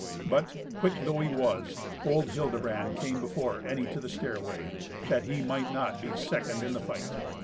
But, quick though he was, old Hildebrand came before any to the stair way, that he might not be second in the fight.